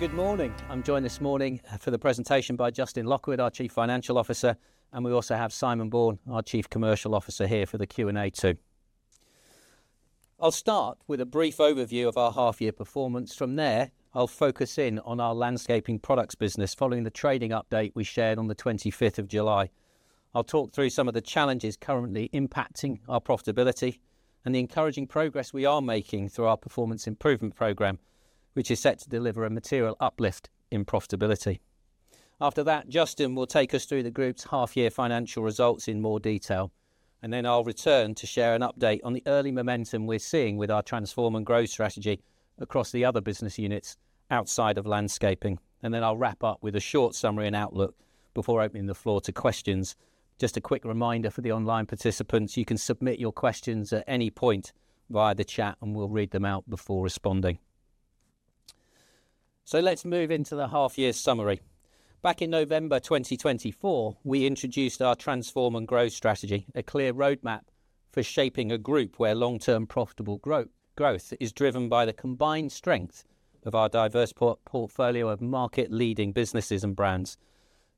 Good morning. I'm joined this morning for the presentation by Justin Lockwood, our Chief Financial Officer, and we also have Simon Bourne, our Chief Commercial Officer, here for the Q&A too. I'll start with a brief overview of our half-year performance. From there, I'll focus in on our landscaping products business following the trading update we shared on the 25th of July. I'll talk through some of the challenges currently impacting our profitability and the encouraging progress we are making through our performance improvement plan, which is set to deliver a material uplift in profitability. After that, Justin will take us through the group's half-year financial results in more detail, and then I'll return to share an update on the early momentum we're seeing with our transform and growth strategy across the other business units outside of landscaping. I'll wrap up with a short summary and outlook before opening the floor to questions. Just a quick reminder for the online participants, you can submit your questions at any point via the chat, and we'll read them out before responding. Let's move into the half-year summary. Back in November 2024, we introduced our transform and growth strategy, a clear roadmap for shaping a group where long-term profitable growth is driven by the combined strength of our diverse portfolio of market-leading businesses and brands.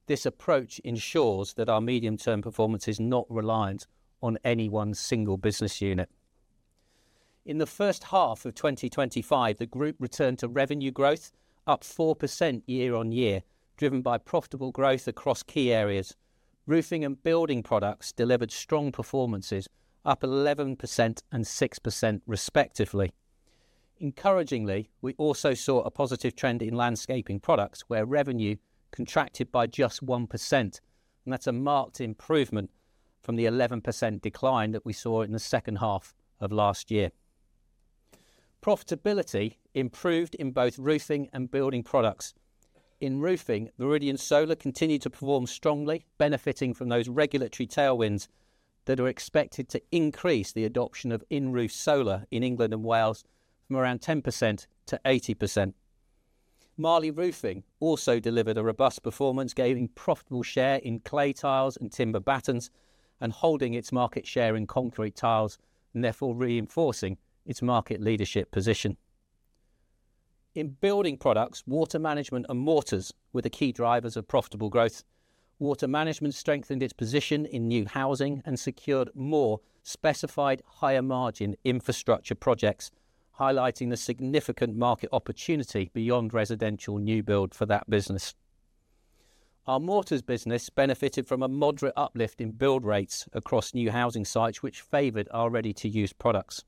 This approach ensures that our medium-term performance is not reliant on any one single business unit. In the first half of 2025, the group returned to revenue growth, up 4% year-on-year, driven by profitable growth across key areas. Roofing and building products delivered strong performances, up 11% and 6% respectively. Encouragingly, we also saw a positive trend in landscaping products where revenue contracted by just 1%, and that's a marked improvement from the 11% decline that we saw in the second half of last year. Profitability improved in both roofing and building products. In roofing, Viridian Solar continued to perform strongly, benefiting from those regulatory tailwinds that are expected to increase the adoption of in-roof solar in England and Wales from around 10%-80%. Marley Roofing also delivered a robust performance, gaining profitable share in clay tiles and timber battens, and holding its market share in concrete tiles, therefore reinforcing its market leadership position. In building products, water management and mortars were the key drivers of profitable growth. Water management strengthened its position in new housing and secured more specified higher margin infrastructure projects, highlighting the significant market opportunity beyond residential new build for that business. Our mortars business benefited from a moderate uplift in build rates across new housing sites, which favored our ready-to-use products.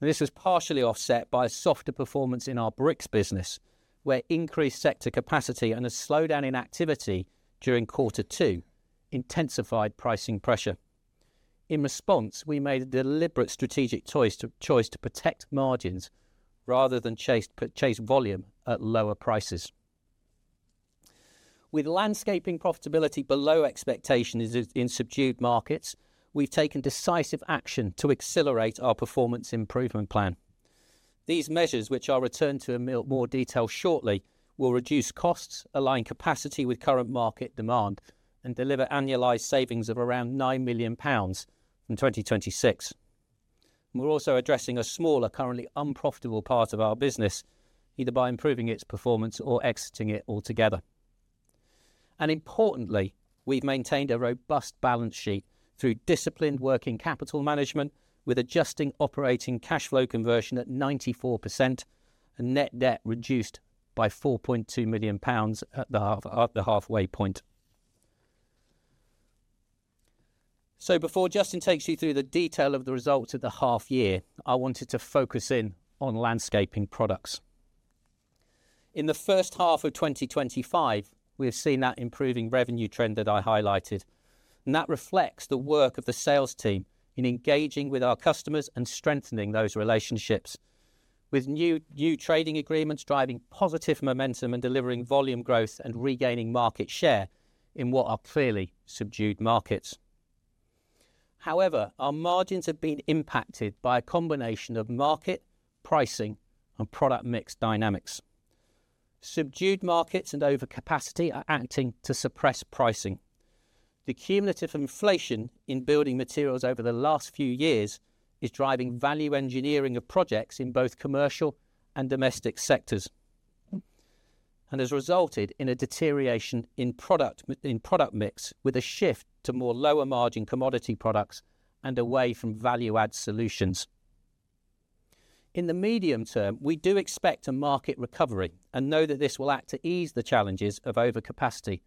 This was partially offset by a softer performance in our bricks business, where increased sector capacity and a slowdown in activity during quarter two intensified pricing pressure. In response, we made a deliberate strategic choice to protect margins rather than chase volume at lower prices. With landscaping profitability below expectations in subdued markets, we've taken decisive action to accelerate our performance improvement plan. These measures, which I'll return to in more detail shortly, will reduce costs, align capacity with current market demand, and deliver annualized savings of around 9 million pounds in 2026. We're also addressing a smaller, currently unprofitable part of our business, either by improving its performance or exiting it altogether. Importantly, we've maintained a robust balance sheet through disciplined working capital management, with adjusting operating cash flow conversion at 94% and net debt reduced by 4.2 million pounds at the halfway point. Before Justin takes you through the detail of the results of the half-year, I wanted to focus in on landscaping products. In the first half of 2025, we've seen that improving revenue trend that I highlighted, and that reflects the work of the sales team in engaging with our customers and strengthening those relationships, with new trading agreements driving positive momentum and delivering volume growth and regaining market share in what are clearly subdued markets. However, our margins have been impacted by a combination of market, pricing, and product mix dynamics. Subdued markets and overcapacity are acting to suppress pricing. The cumulative inflation in building materials over the last few years is driving value engineering of projects in both commercial and domestic sectors, and has resulted in a deterioration in product mix with a shift to more lower margin commodity products and away from value-add solutions. In the medium term, we do expect a market recovery and know that this will act to ease the challenges of overcapacity,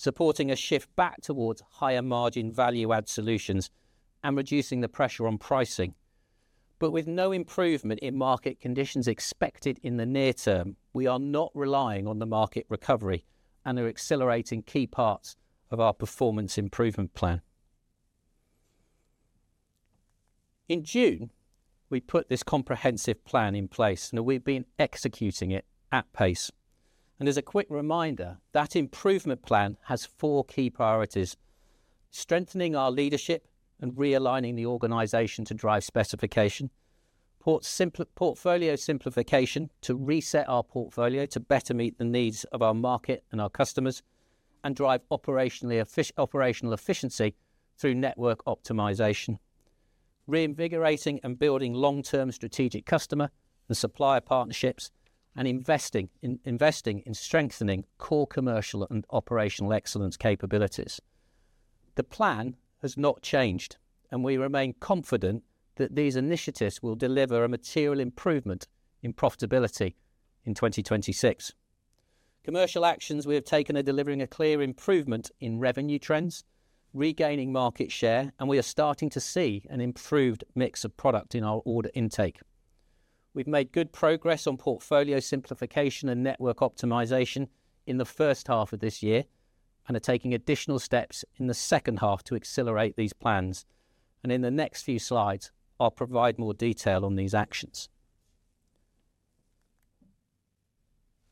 supporting a shift back towards higher margin value-add solutions and reducing the pressure on pricing. With no improvement in market conditions expected in the near term, we are not relying on the market recovery and are accelerating key parts of our performance improvement plan. In June, we put this comprehensive plan in place, and we've been executing it at pace. As a quick reminder, that improvement plan has four key priorities: strengthening our leadership and realigning the organization to drive specification, portfolio simplification to reset our portfolio to better meet the needs of our market and our customers, and drive operational efficiency through network optimization, reinvigorating and building long-term strategic customer and supplier partnerships, and investing in strengthening core commercial and operational excellence capabilities. The plan has not changed, and we remain confident that these initiatives will deliver a material improvement in profitability in 2026. Commercial actions we have taken are delivering a clear improvement in revenue trends, regaining market share, and we are starting to see an improved mix of product in our order intake. We've made good progress on portfolio simplification and network optimization in the first half of this year and are taking additional steps in the second half to accelerate these plans. In the next few slides, I'll provide more detail on these actions.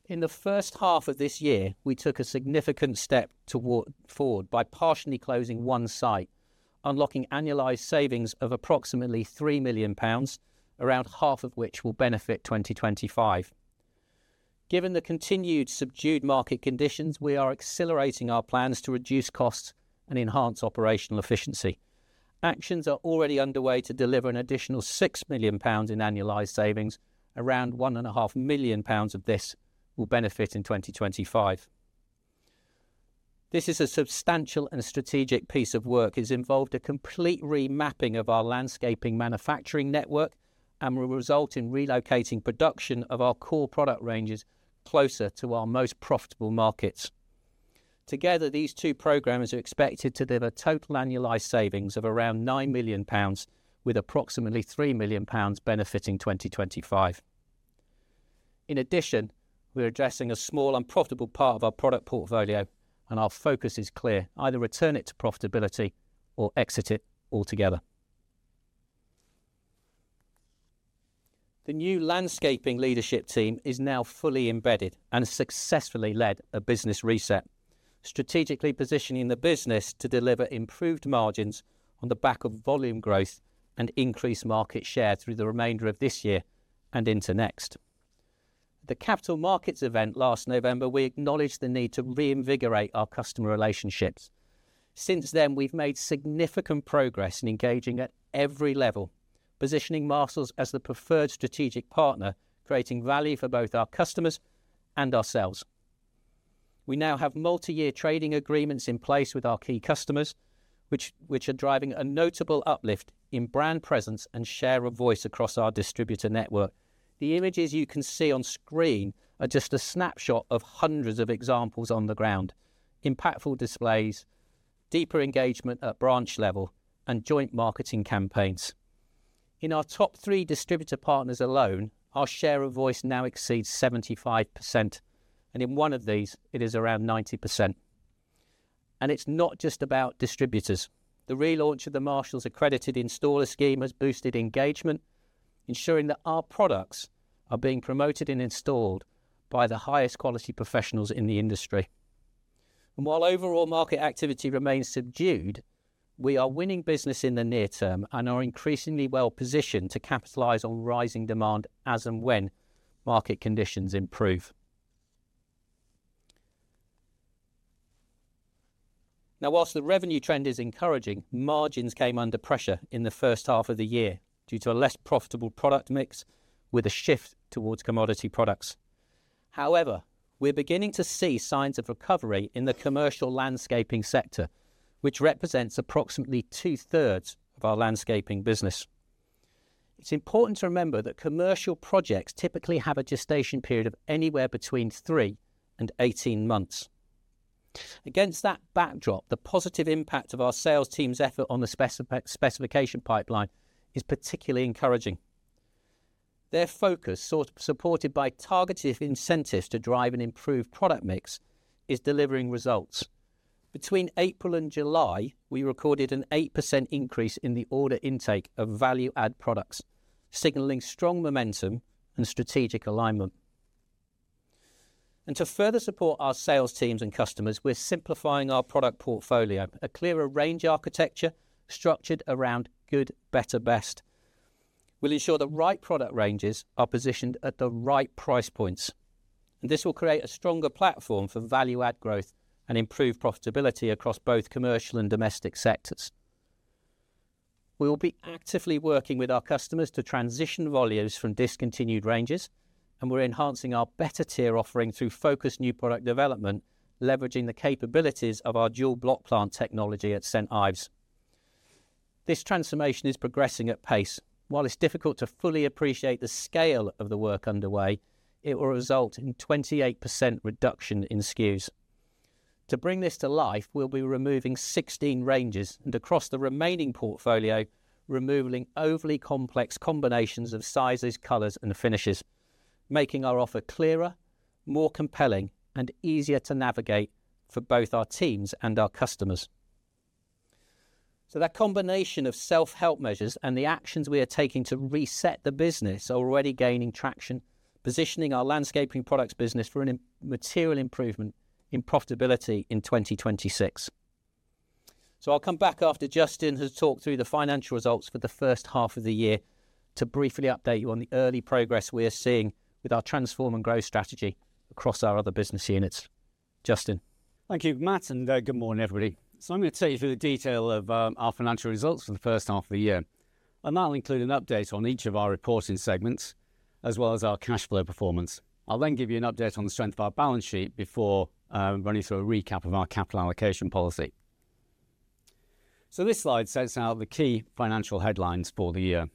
In the first half of this year, we took a significant step forward by partially closing one site, unlocking annualized savings of approximately 3 million pounds, around half of which will benefit 2025. Given the continued subdued market conditions, we are accelerating our plans to reduce costs and enhance operational efficiency. Actions are already underway to deliver an additional 6 million pounds in annualized savings. Around 1.5 million pounds of this will benefit in 2025. This is a substantial and strategic piece of work. It's involved a complete remapping of our landscaping manufacturing network and will result in relocating production of our core product ranges closer to our most profitable markets. Together, these two programs are expected to deliver total annualized savings of around 9 million pounds, with approximately 3 million pounds benefiting 2025. In addition, we're addressing a small unprofitable part of our product portfolio, and our focus is clear: either return it to profitability or exit it altogether. The new landscaping leadership team is now fully embedded and successfully led a business reset, strategically positioning the business to deliver improved margins on the back of volume growth and increased market share through the remainder of this year and into next. At the Capital Markets event last November, we acknowledged the need to reinvigorate our customer relationships. Since then, we've made significant progress in engaging at every level, positioning Marshalls as the preferred strategic partner, creating value for both our customers and ourselves. We now have multi-year trading agreements in place with our key customers, which are driving a notable uplift in brand presence and share of voice across our distributor network. The images you can see on screen are just a snapshot of hundreds of examples on the ground: impactful displays, deeper engagement at branch level, and joint marketing campaigns. In our top three distributor partners alone, our share of voice now exceeds 75%, and in one of these, it is around 90%. It's not just about distributors. The relaunch of the Marshalls Accredited installer scheme has boosted engagement, ensuring that our products are being promoted and installed by the highest quality professionals in the industry. While overall market activity remains subdued, we are winning business in the near term and are increasingly well positioned to capitalize on rising demand as and when market conditions improve. Now, whilst the revenue trend is encouraging, margins came under pressure in the first half of the year due to a less profitable product mix with a shift towards commodity products. However, we're beginning to see signs of recovery in the commercial landscaping sector, which represents approximately 2/3 of our landscaping business. It's important to remember that commercial projects typically have a gestation period of anywhere between three and 18 months. Against that backdrop, the positive impact of our sales team's effort on the specification pipeline is particularly encouraging. Their focus, supported by targeted incentives to drive an improved product mix, is delivering results. Between April and July, we recorded an 8% increase in the order intake of value-add products, signaling strong momentum and strategic alignment. To further support our sales teams and customers, we're simplifying our product portfolio, a clearer range architecture structured around good, better, best. We'll ensure the right product ranges are positioned at the right price points, and this will create a stronger platform for value-add growth and improve profitability across both commercial and domestic sectors. We'll be actively working with our customers to transition volumes from discontinued ranges, and we're enhancing our better tier offering through focused new product development, leveraging the capabilities of our dual block plant technology at St. Ives. This transformation is progressing at pace. While it's difficult to fully appreciate the scale of the work underway, it will result in a 28% reduction in SKUs. To bring this to life, we'll be removing 16 ranges and across the remaining portfolio, removing overly complex combinations of sizes, colors, and finishes, making our offer clearer, more compelling, and easier to navigate for both our teams and our customers. That combination of self-help measures and the actions we are taking to reset the business are already gaining traction, positioning our landscaping products business for a material improvement in profitability in 2026. I'll come back after Justin has talked through the financial results for the first half of the year to briefly update you on the early progress we are seeing with our transform and growth strategy across our other business units. Justin. Thank you, Matt, and good morning, everybody. I'm going to take you through the detail of our financial results for the first half of the year, and that'll include an update on each of our reporting segments, as well as our cash flow performance. I'll then give you an update on the strength of our balance sheet before running through a recap of our capital allocation policy. This slide sets out the key financial headlines for the year.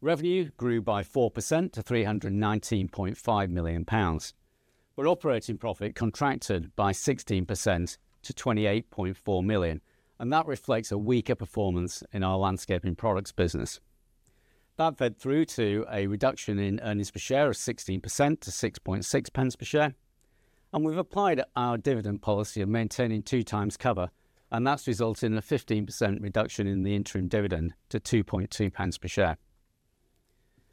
Revenue grew by 4% to 319.5 million pounds, but operating profit contracted by 16% to 28.4 million, and that reflects a weaker performance in our landscaping products business. That fed through to a reduction in earnings per share of 16% to 6.6 per share, and we've applied our dividend policy of maintaining 2x cover, and that's resulted in a 15% reduction in the interim dividend to 2.2 pounds per share.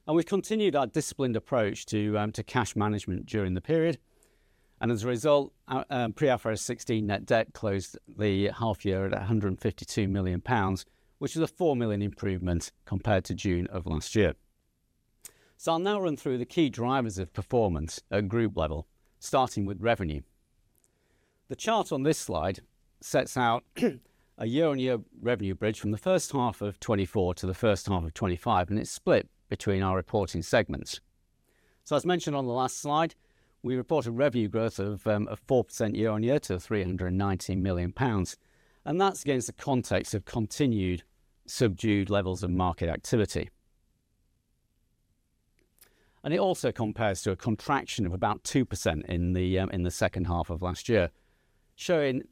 We've continued our disciplined approach to cash management during the period, and as a result, our pre-IFRS 16 net debt closed the half-year at 152 million pounds, which is a 4 million improvement compared to June of last year. I'll now run through the key drivers of performance at a group level, starting with revenue. The chart on this slide sets out a year-on-year revenue bridge from the first half of 2024 to the first half of 2025, and it's split between our reporting segments. As mentioned on the last slide, we reported revenue growth of 4% year-on-year to 319 million pounds, and that's against the context of continued subdued levels of market activity. It also compares to a contraction of about 2% in the second half of last year, showing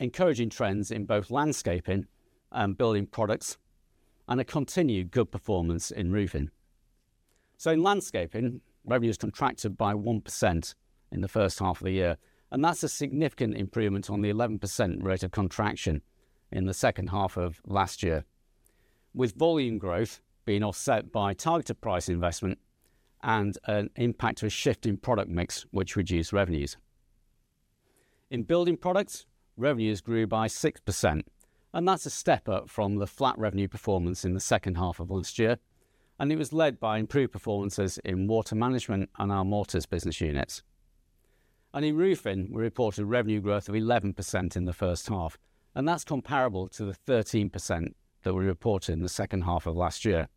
encouraging trends in both landscaping and building products and a continued good performance in roofing. In landscaping, revenue's contracted by 1% in the first half of the year, and that's a significant improvement on the 11% rate of contraction in the second half of last year, with volume growth being offset by targeted price investment and an impact of a shift in product mix which reduced revenues. In building products, revenues grew by 6%, and that's a step up from the flat revenue performance in the second half of last year, and it was led by improved performances in water management and our mortars business units. In roofing, we reported revenue growth of 11% in the first half, and that's comparable to the 13% that we reported in the second half of last year.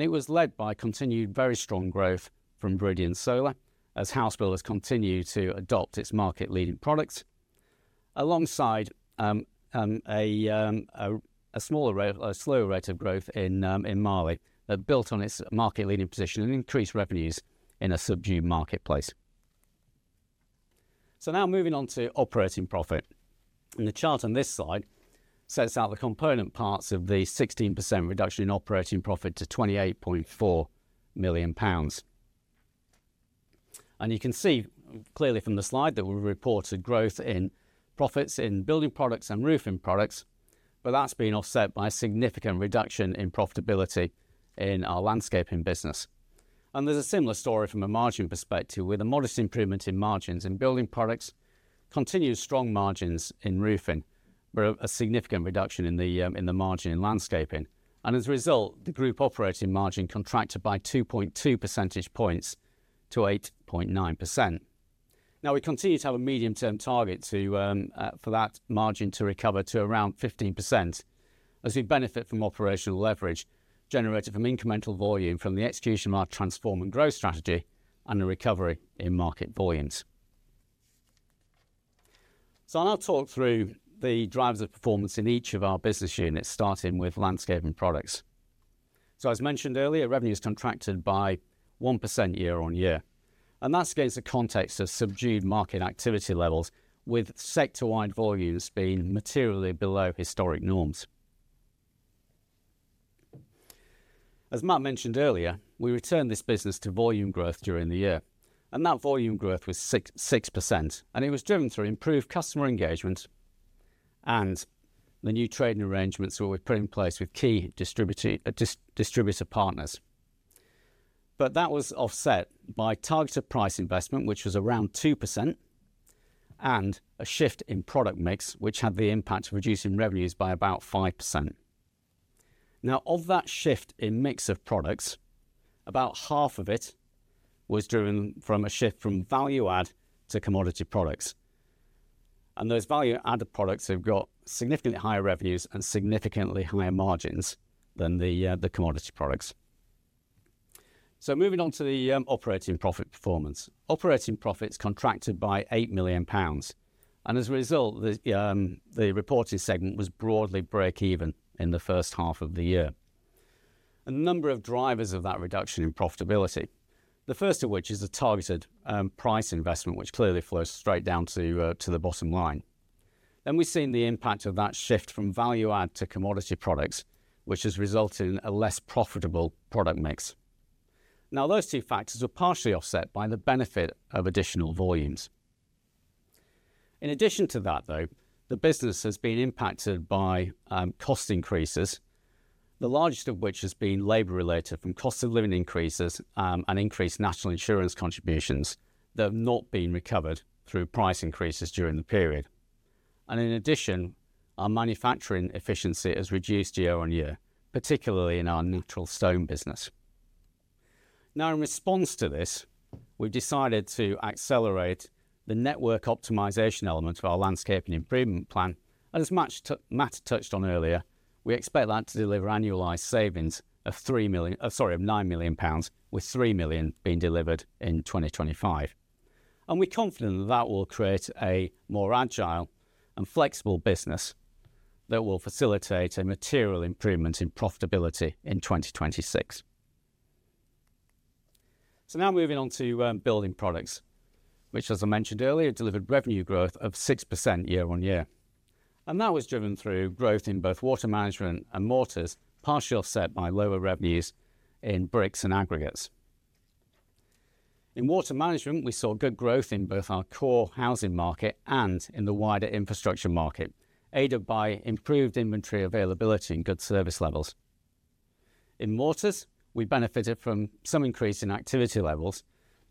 It was led by continued very strong growth from Viridian Solar as housebuilders continued to adopt its market-leading products alongside a slower rate of growth in Marley, built on its market-leading position and increased revenues in a subdued marketplace. Now moving on to operating profit. The chart on this slide sets out the component parts of the 16% reduction in operating profit to 28.4 million pounds. You can see clearly from the slide that we reported growth in profits in building products and roofing products, but that's been offset by a significant reduction in profitability in our landscaping products business. There's a similar story from a margin perspective with a modest improvement in margins in building products, continued strong margins in roofing, but a significant reduction in the margin in landscaping. As a result, the group operating margin contracted by 2.2 percentage points to 8.9%. We continue to have a medium-term target for that margin to recover to around 15% as we benefit from operational leverage generated from incremental volume from the execution of our transform and growth strategy and a recovery in market volumes. I'll now talk through the drivers of performance in each of our business units, starting with landscaping products. As mentioned earlier, revenues contracted by 1% year-on-year, and that's against the context of subdued market activity levels with sector-wide volumes being materially below historic norms. As Matt mentioned earlier, we returned this business to volume growth during the year, and that volume growth was 6%, driven through improved customer engagement and the new trading arrangements that we put in place with key distributor partners. That was offset by targeted price investment, which was around 2%, and a shift in product mix, which had the impact of reducing revenues by about 5%. Of that shift in mix of products, about half of it was driven from a shift from value-add to commodity products. Those value-add products have got significantly higher revenues and significantly higher margins than the commodity products. Moving on to the operating profit performance, operating profits contracted by 8 million pounds, and as a result, the reporting segment was broadly break-even in the first half of the year. A number of drivers of that reduction in profitability, the first of which is the targeted price investment, which clearly flows straight down to the bottom line. We've seen the impact of that shift from value-add to commodity products, which has resulted in a less profitable product mix. Those two factors are partially offset by the benefit of additional volumes. In addition to that, though, the business has been impacted by cost increases, the largest of which has been labor-related from cost of living increases and increased national insurance contributions that have not been recovered through price increases during the period. In addition, our manufacturing efficiency has reduced year-on-year, particularly in our natural stone business. In response to this, we've decided to accelerate the network optimization element of our landscaping improvement plan. As Matt touched on earlier, we expect that to deliver annualized savings of 9 million pounds, with 3 million being delivered in 2025. We're confident that will create a more agile and flexible business that will facilitate a material improvement in profitability in 2026. Now moving on to building products, which, as I mentioned earlier, delivered revenue growth of 6% year-on-year. That was driven through growth in both water management and mortars, partially offset by lower revenues in bricks and aggregates. In water management, we saw good growth in both our core housing market and in the wider infrastructure market, aided by improved inventory availability and good service levels. In mortars, we benefited from some increase in activity levels,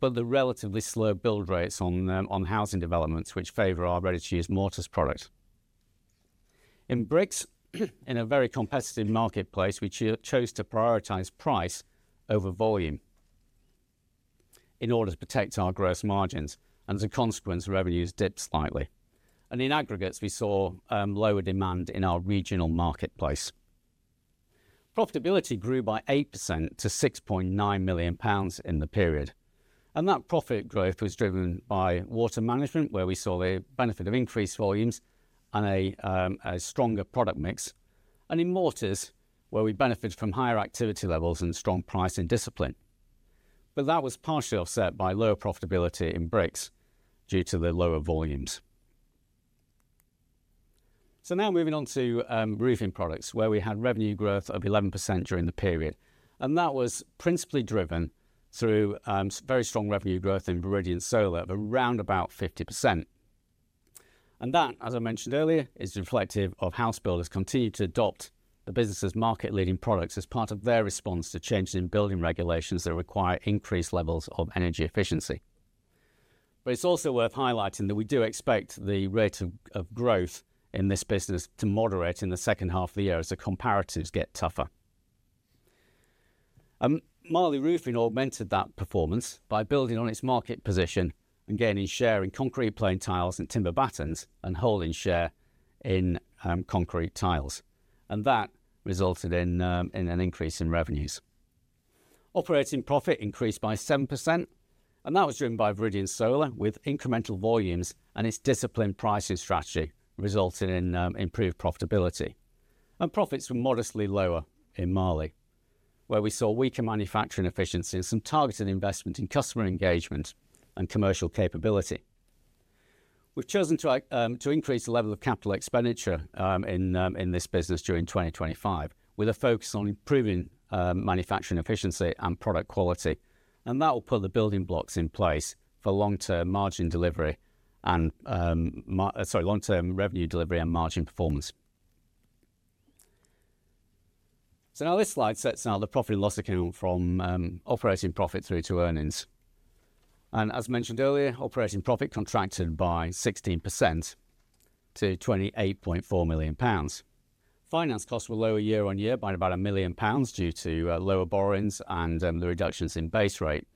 but the relatively slow build rates on housing developments, which favor our ready-to-use mortars product. In bricks, in a very competitive marketplace, we chose to prioritize price over volume in order to protect our gross margins, and as a consequence, revenues dipped slightly. In aggregates, we saw lower demand in our regional marketplace. Profitability grew by 8% to 6.9 million pounds in the period. That profit growth was driven by water management, where we saw the benefit of increased volumes and a stronger product mix, and in mortars, where we benefited from higher activity levels and strong price and discipline. That was partially offset by lower profitability in bricks due to the lower volumes. Now moving on to roofing products, where we had revenue growth of 11% during the period. That was principally driven through very strong revenue growth in Viridian Solar of around about 50%. That, as I mentioned earlier, is reflective of housebuilders continuing to adopt the business's market-leading products as part of their response to changes in building regulations that require increased levels of energy efficiency. It is also worth highlighting that we do expect the rate of growth in this business to moderate in the second half of the year as the comparatives get tougher. Marley Roofing augmented that performance by building on its market position and gaining share in concrete plain tiles and timber battens and holding share in concrete tiles. That resulted in an increase in revenues. Operating profit increased by 7%, and that was driven by Viridian Solar with incremental volumes and its disciplined pricing strategy, resulting in improved profitability. Profits were modestly lower in Marley, where we saw weaker manufacturing efficiency and some targeted investment in customer engagement and commercial capability. We've chosen to increase the level of capital expenditure in this business during 2025, with a focus on improving manufacturing efficiency and product quality. That will put the building blocks in place for long-term revenue delivery and margin performance. This slide sets out the profit and loss economy from operating profit through to earnings. As mentioned earlier, operating profit contracted by 16% to 28.4 million pounds. Finance costs were lower year-on-year by about 1 million pounds due to lower borrowings and the reductions in base rate.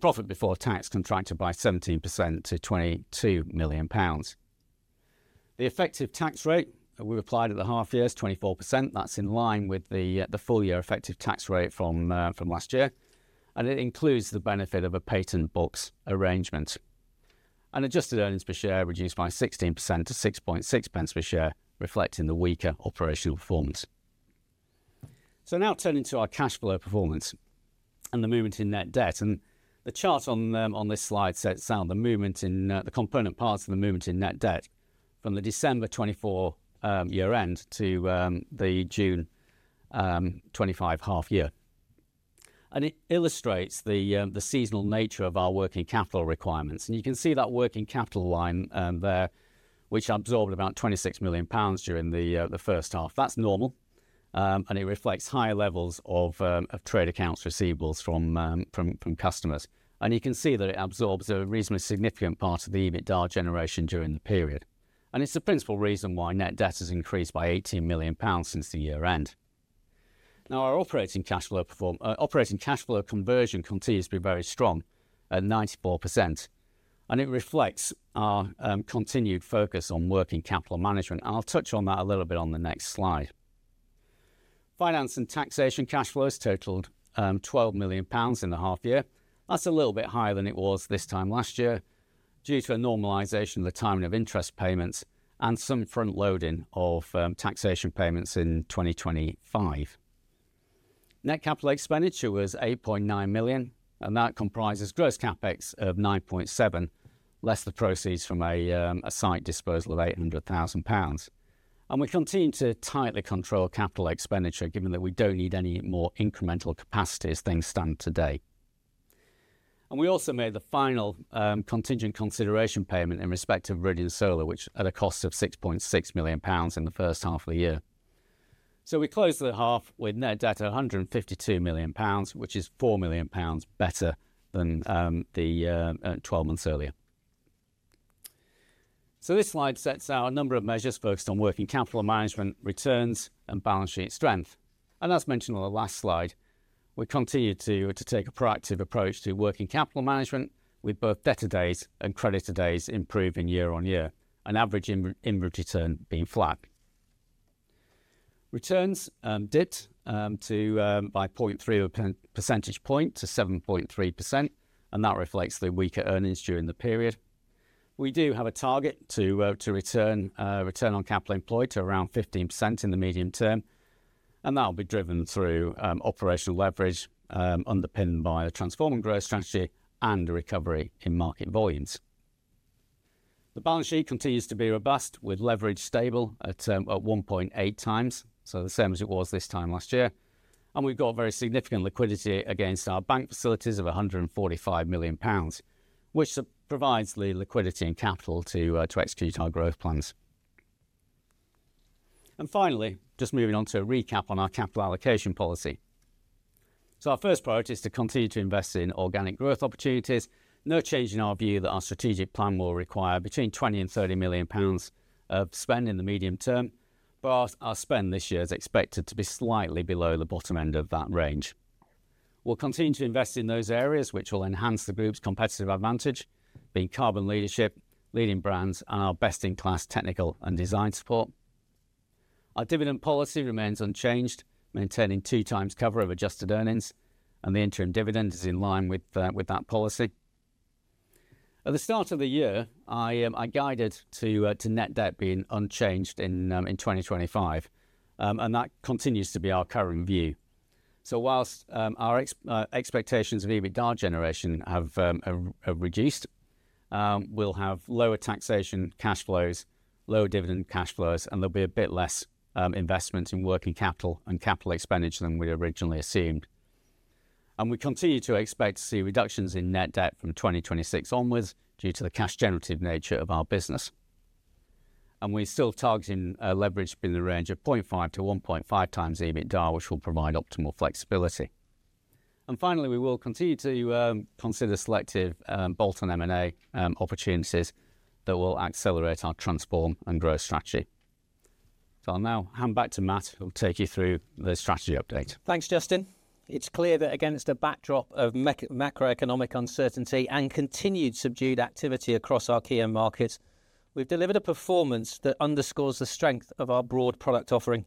Profit before tax contracted by 17% to 22 million pounds. The effective tax rate we've applied at the half-year is 24%. That's in line with the full-year effective tax rate from last year. It includes the benefit of a patent box arrangement. Adjusted earnings per share reduced by 16% to 0.66 per share, reflecting the weaker operational performance. Now turning to our cash flow performance and the movement in net debt, the chart on this slide sets out the movement in the component parts of the movement in net debt from the December 2024 year-end to the June 2025 half-year. It illustrates the seasonal nature of our working capital requirements. You can see that working capital line there, which absorbed about 26 million pounds during the first half. That's normal, and it reflects higher levels of trade accounts receivables from customers. You can see that it absorbs a reasonably significant part of the EBITDA generation during the period. It's the principal reason why net debt has increased by 18 million pounds since the year-end. Our operating cash flow conversion continues to be very strong at 94%. It reflects our continued focus on working capital management. I'll touch on that a little bit on the next slide. Finance and taxation cash flows totaled 12 million pounds in the half-year. That's a little bit higher than it was this time last year due to a normalization of the timing of interest payments and some front-loading of taxation payments in 2025. Net capital expenditure was 8.9 million, and that comprises gross CapEx of 9.7 million, less the proceeds from a site disposal of 800,000 pounds. We continue to tightly control capital expenditure, given that we don't need any more incremental capacity as things stand today. We also made the final contingent consideration payment in respect to Viridian Solar, which was at a cost of 6.6 million pounds in the first half of the year. We closed the half with net debt at 152 million pounds, which is 4 million pounds better than 12 months earlier. This slide sets out a number of measures focused on working capital management, returns, and balance sheet strength. As mentioned on the last slide, we continue to take a proactive approach to working capital management, with both debtor days and creditor days improving year-on-year, and average in-route return being flat. Returns dipped by 0.3% to 7.3%, and that reflects the weaker earnings during the period. We do have a target to return on capital employed to around 15% in the medium term, and that'll be driven through operational leverage underpinned by a transform and growth strategy and a recovery in market volumes. The balance sheet continues to be robust, with leverage stable at 1.8x, the same as it was this time last year. We've got very significant liquidity against our bank facilities of 145 million pounds, which provides the liquidity and capital to execute our growth plans. Finally, just moving on to a recap on our capital allocation policy. Our first priority is to continue to invest in organic growth opportunities, no changing our view that our strategic plan will require between 20 million and 30 million pounds of spend in the medium term, but our spend this year is expected to be slightly below the bottom end of that range. We'll continue to invest in those areas which will enhance the group's competitive advantage, being carbon leadership, leading brands, and our best-in-class technical and design support. Our dividend policy remains unchanged, maintaining 2x cover of adjusted earnings, and the interim dividend is in line with that policy. At the start of the year, I guided to net debt being unchanged in 2025, and that continues to be our current view. Whilst our expectations of EBITDA generation have reduced, we'll have lower taxation cash flows, lower dividend cash flows, and there'll be a bit less investment in working capital and capital expenditure than we originally assumed. We continue to expect to see reductions in net debt from 2026 onwards due to the cash-generative nature of our business. We're still targeting leverage in the range of 0.5x-1.5x EBITDA, which will provide optimal flexibility. Finally, we will continue to consider selective bolt-on M&A opportunities that will accelerate our transform and growth strategy. I'll now hand back to Matt, who'll take you through the strategy update. Thanks, Justin. It's clear that against a backdrop of macroeconomic uncertainty and continued subdued activity across our key markets, we've delivered a performance that underscores the strength of our broad product offering.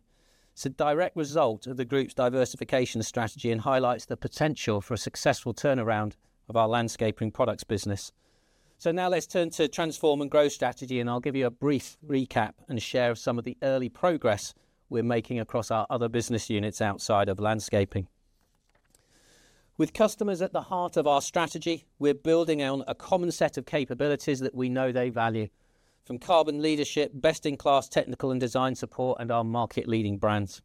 It's a direct result of the group's diversification strategy and highlights the potential for a successful turnaround of our landscaping products business. Now let's turn to transform and growth strategy, and I'll give you a brief recap and share some of the early progress we're making across our other business units outside of landscaping. With customers at the heart of our strategy, we're building on a common set of capabilities that we know they value, from carbon leadership, best-in-class technical and design support, and our market-leading brands.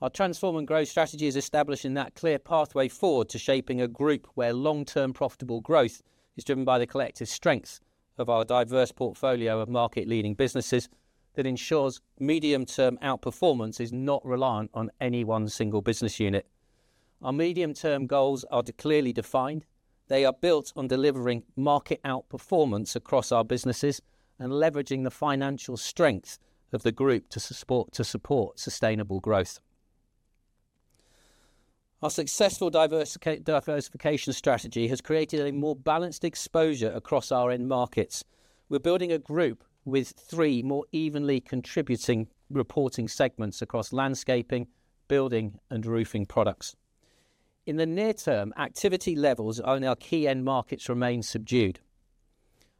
Our transform and growth strategy is establishing that clear pathway forward to shaping a group where long-term profitable growth is driven by the collective strength of our diverse portfolio of market-leading businesses that ensures medium-term outperformance is not reliant on any one single business unit. Our medium-term goals are clearly defined. They are built on delivering market-out performance across our businesses and leveraging the financial strength of the group to support sustainable growth. Our successful diversification strategy has created a more balanced exposure across our end markets. We're building a group with three more evenly contributing reporting segments across landscaping, building, and roofing products. In the near term, activity levels on our key end markets remain subdued.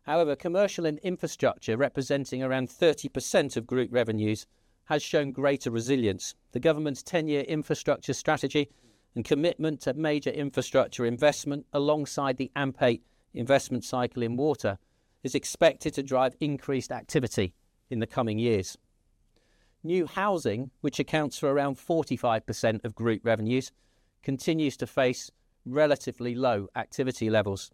However, commercial and infrastructure representing around 30% of group revenues has shown greater resilience. The government's 10-year infrastructure strategy and commitment to major infrastructure investment alongside the AMP8 investment cycle in water is expected to drive increased activity in the coming years. New housing, which accounts for around 45% of group revenues, continues to face relatively low activity levels.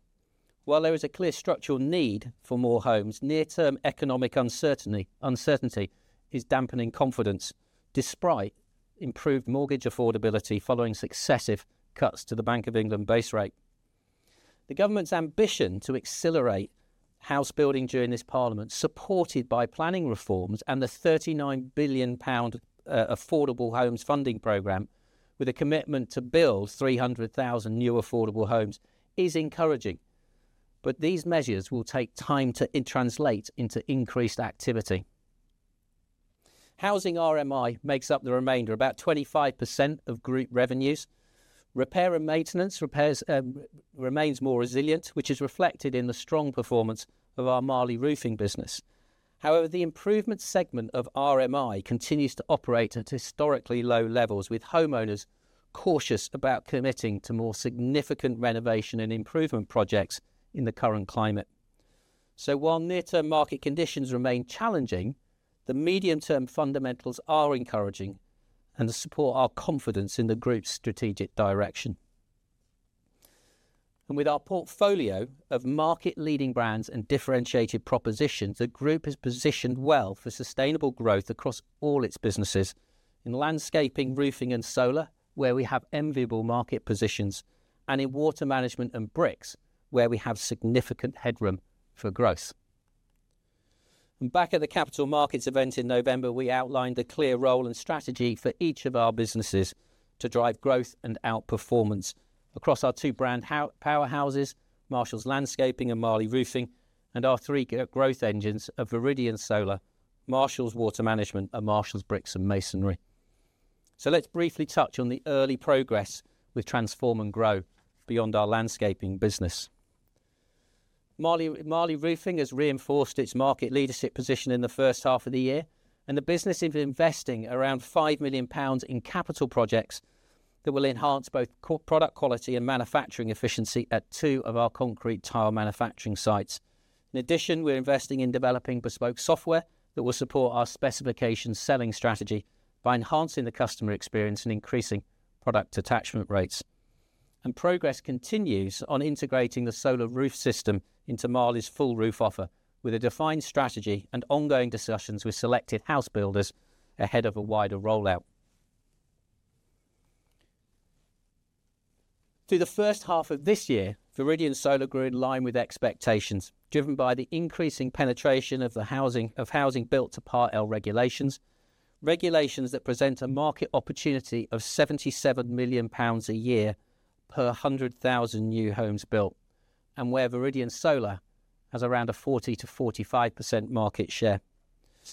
While there is a clear structural need for more homes, near-term economic uncertainty is dampening confidence, despite improved mortgage affordability following successive cuts to the Bank of England base rate. The government's ambition to accelerate house building during this parliament, supported by planning reforms and the 39 billion pound Affordable Homes Funding Programme, with a commitment to build 300,000 new affordable homes, is encouraging. These measures will take time to translate into increased activity. Housing RMI makes up the remainder, about 25% of group revenues. Repair and maintenance remains more resilient, which is reflected in the strong performance of our Marley Roofing business. However, the improvement segment of RMI continues to operate at historically low levels, with homeowners cautious about committing to more significant renovation and improvement projects in the current climate. While near-term market conditions remain challenging, the medium-term fundamentals are encouraging and support our confidence in the group's strategic direction. With our portfolio of market-leading brands and differentiated propositions, the group is positioned well for sustainable growth across all its businesses. In landscaping, roofing, and solar, where we have enviable market positions, and in water management and bricks, where we have significant headroom for growth. At the Capital Markets event in November, we outlined the clear role and strategy for each of our businesses to drive growth and outperformance across our two brand powerhouses, Marshalls landscaping and Marley Roofing, and our three growth engines of Viridian Solar, Marshalls water management, and Marshalls bricks and masonry. Let's briefly touch on the early progress with transform and growth beyond our landscaping business. Marley Roofing has reinforced its market leadership position in the first half of the year, and the business is investing around 5 million pounds in capital projects that will enhance both product quality and manufacturing efficiency at two of our concrete tile manufacturing sites. In addition, we're investing in developing bespoke software that will support our specification selling strategy by enhancing the customer experience and increasing product attachment rates. Progress continues on integrating the solar roof system into Marley's full roof offer, with a defined strategy and ongoing discussions with selected house builders ahead of a wider rollout. Through the first half of this year, Viridian Solar grew in line with expectations, driven by the increasing penetration of housing built to Part L regulations, regulations that present a market opportunity of 77 million pounds a year per 100,000 new homes built, and where Viridian Solar has around a 40%-45% market share.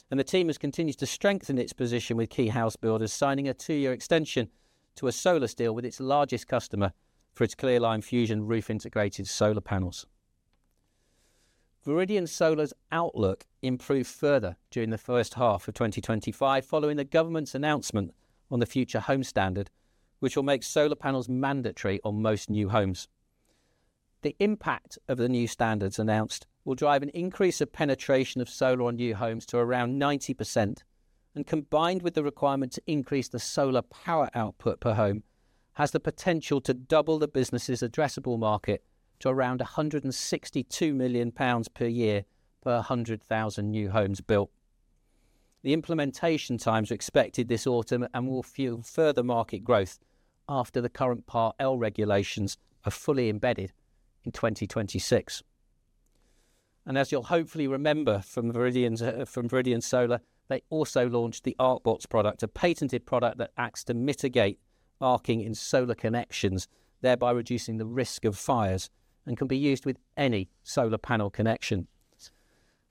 The team has continued to strengthen its position with key house builders, signing a two-year extension to a solar deal with its largest customer for its Clearline Fusion roof integrated solar panels. Viridian Solar's outlook improved further during the first half of 2025 following the government's announcement on the Future Home Standard, which will make solar panels mandatory on most new homes. The impact of the new standards announced will drive an increase of penetration of solar on new homes to around 90%, and combined with the requirement to increase the solar power output per home, has the potential to double the business's addressable market to around 162 million pounds per year per 100,000 new homes built. The implementation times are expected this autumn and will fuel further market growth after the current Part L regulations are fully embedded in 2026. As you'll hopefully remember from Viridian Solar, they also launched the ArcBox product, a patented product that acts to mitigate arcing in solar connections, thereby reducing the risk of fires and can be used with any solar panel connection.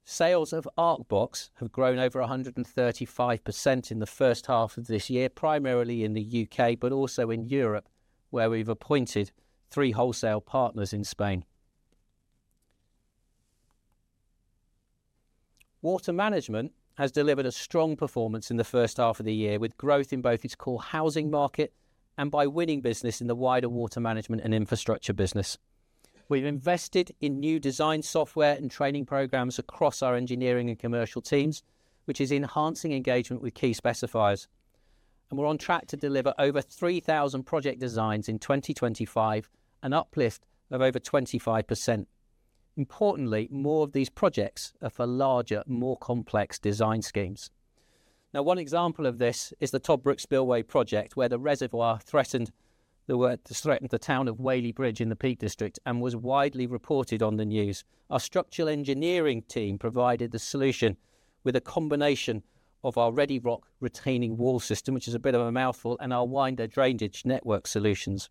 Sales of ArcBox have grown over 135% in the first half of this year, primarily in the U.K., but also in Europe, where we've appointed three wholesale partners in Spain. Water management has delivered a strong performance in the first half of the year, with growth in both its core housing market and by winning business in the wider water management and infrastructure business. We've invested in new design software and training programs across our engineering and commercial teams, which is enhancing engagement with key specifiers. We're on track to deliver over 3,000 project designs in 2025, an uplift of over 25%. Importantly, more of these projects are for larger, more complex design schemes. One example of this is the Top Brooks Billway project, where the reservoir threatened the town of Whaley Bridge in the Peak District and was widely reported on the news. Our structural engineering team provided the solution with a combination of our Redi-Rock retaining wall system, which is a bit of a mouthful, and our window drainage network solutions.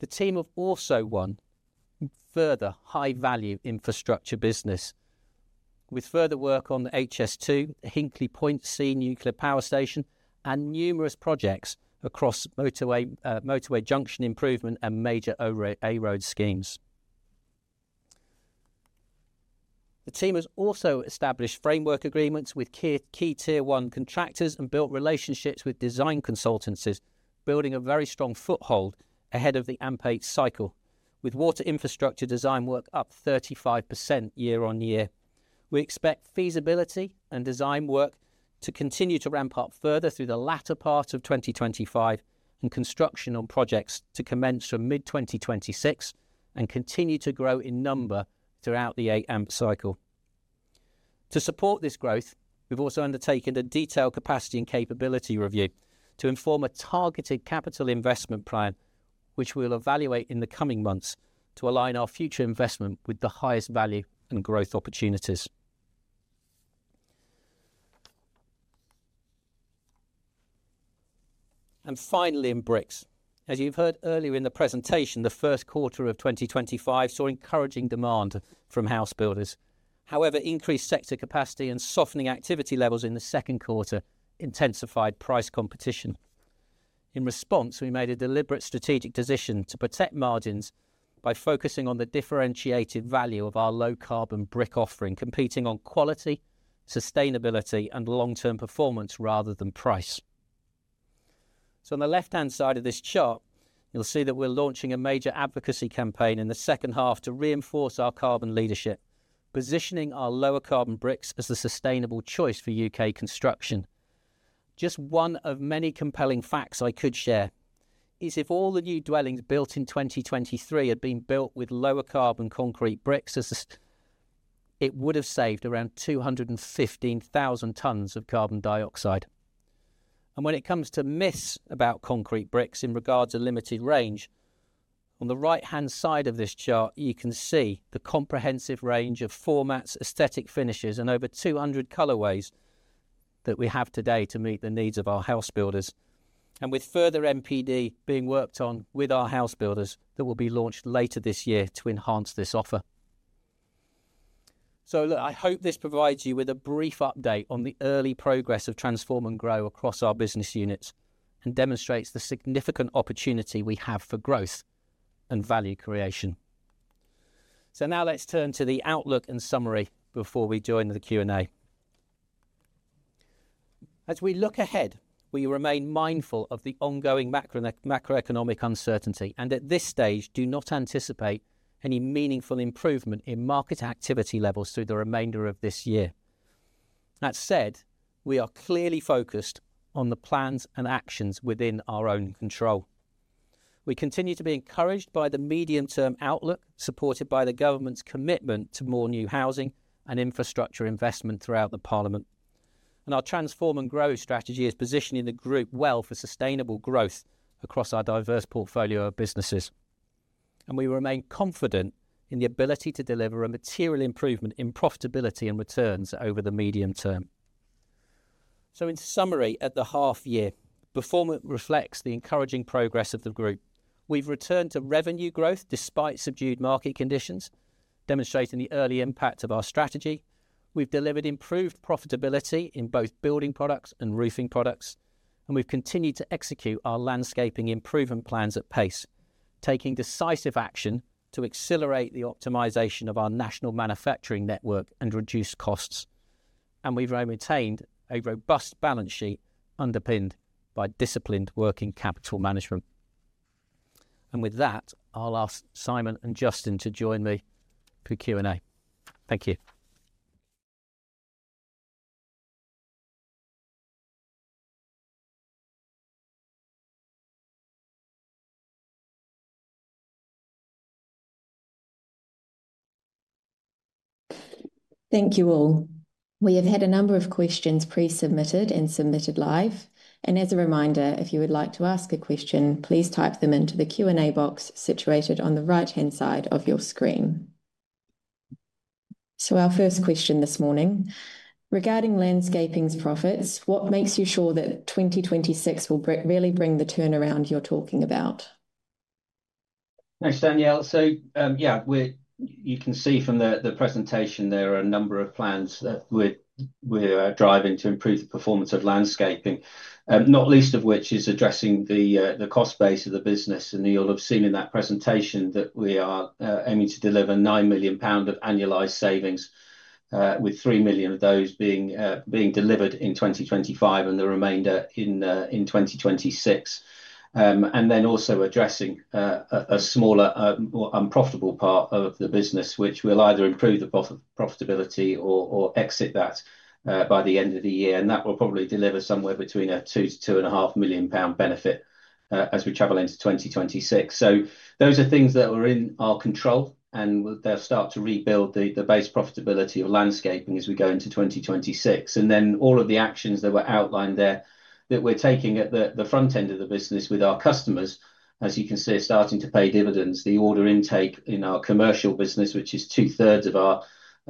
The team have also won further high-value infrastructure business, with further work on the HS2, Hinkley Point C nuclear power station, and numerous projects across motorway junction improvement and major A-road schemes. The team has also established framework agreements with key Tier 1 contractors and built relationships with design consultancies, building a very strong foothold ahead of the AMP8 cycle, with water infrastructure design work up 35% year-on-year. We expect feasibility and design work to continue to ramp up further through the latter part of 2025, and construction on projects to commence from mid-2026 and continue to grow in number throughout the AMP cycle. To support this growth, we've also undertaken a detailed capacity and capability review to inform a targeted capital investment plan, which we'll evaluate in the coming months to align our future investment with the highest value and growth opportunities. Finally, in bricks, as you've heard earlier in the presentation, the first quarter of 2025 saw encouraging demand from house builders. However, increased sector capacity and softening activity levels in the second quarter intensified price competition. In response, we made a deliberate strategic decision to protect margins by focusing on the differentiated value of our low-carbon brick offering, competing on quality, sustainability, and long-term performance rather than price. On the left-hand side of this chart, you'll see that we're launching a major advocacy campaign in the second half to reinforce our carbon leadership, positioning our lower carbon bricks as a sustainable choice for U.K. construction. Just one of many compelling facts I could share is if all the new dwellings built in 2023 had been built with lower carbon concrete bricks, it would have saved around 215,000 tons of carbon dioxide. When it comes to myths about concrete bricks in regard to limited range, on the right-hand side of this chart, you can see the comprehensive range of formats, aesthetic finishes, and over 200 colorways that we have today to meet the needs of our house builders, with further MPD being worked on with our house builders that will be launched later this year to enhance this offer. I hope this provides you with a brief update on the early progress of transform and grow across our business units and demonstrates the significant opportunity we have for growth and value creation. Now let's turn to the outlook and summary before we join the Q&A. As we look ahead, we remain mindful of the ongoing macroeconomic uncertainty and at this stage do not anticipate any meaningful improvement in market activity levels through the remainder of this year. That said, we are clearly focused on the plans and actions within our own control. We continue to be encouraged by the medium-term outlook supported by the government's commitment to more new housing and infrastructure investment throughout the Parliament. Our transform and growth strategy is positioning the group well for sustainable growth across our diverse portfolio of businesses. We remain confident in the ability to deliver a material improvement in profitability and returns over the medium term. In summary, at the half-year, performance reflects the encouraging progress of the group. We've returned to revenue growth despite subdued market conditions, demonstrating the early impact of our strategy. We've delivered improved profitability in both building products and roofing products, and we've continued to execute our landscaping improvement plans at pace, taking decisive action to accelerate the optimization of our national manufacturing network and reduce costs. We've retained a robust balance sheet underpinned by disciplined working capital management. With that, I'll ask Simon and Justin to join me for Q&A. Thank you. Thank you all. We have had a number of questions pre-submitted and submitted live. As a reminder, if you would like to ask a question, please type them into the Q&A box situated on the right-hand side of your screen. Our first question this morning, regarding landscaping's profits, what makes you sure that 2026 will really bring the turnaround you're talking about? Thanks, Danielle. You can see from the presentation there are a number of plans that we're driving to improve the performance of landscaping, not least of which is addressing the cost base of the business. You'll have seen in that presentation that we are aiming to deliver 9 million pound of annualized savings, with 3 million of those being delivered in 2025 and the remainder in 2026. Also, addressing a smaller or unprofitable part of the business, which will either improve the profitability or exit that by the end of the year, will probably deliver somewhere between a 2 million-2.5 million pound benefit as we travel into 2026. Those are things that are in our control, and they'll start to rebuild the base profitability of landscaping as we go into 2026. All of the actions that were outlined there that we're taking at the front end of the business with our customers, as you can see, are starting to pay dividends. The order intake in our commercial business, which is 2/3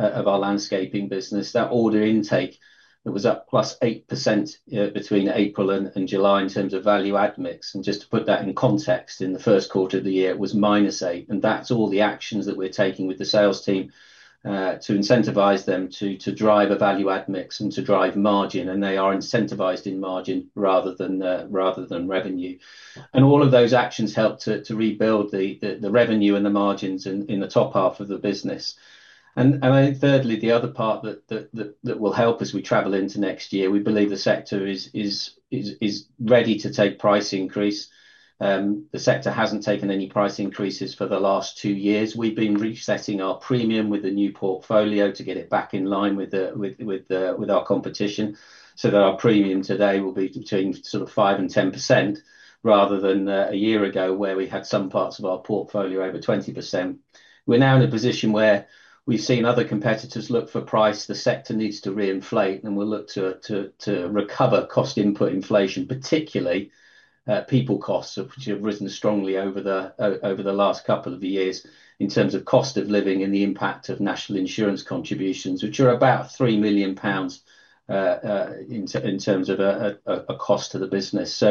of our landscaping business, order intake was up +8% between April and July in terms of value-add mix. Just to put that in context, in the first quarter of the year, it was -8%. That's all the actions that we're taking with the sales team to incentivize them to drive a value-add mix and to drive margin. They are incentivized in margin rather than revenue. All of those actions help to rebuild the revenue and the margins in the top half of the business. I think, thirdly, the other part that will help as we travel into next year, we believe the sector is ready to take price increase. The sector hasn't taken any price increases for the last two years. We've been resetting our premium with a new portfolio to get it back in line with our competition so that our premium today will be between 5% and 10% rather than a year ago where we had some parts of our portfolio over 20%. We're now in a position where we've seen other competitors look for price. The sector needs to reinflate and will look to recover cost input inflation, particularly people costs, which have risen strongly over the last couple of years in terms of cost of living and the impact of national insurance contributions, which are about 3 million pounds in terms of a cost to the business.